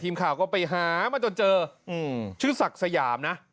ทีมข่าวก็ไปหามาจนเจอชื่อศักดิ์สยามนะ